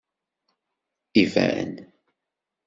Iban!